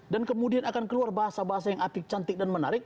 kemudian akan keluar bahasa bahasa yang apik cantik dan menarik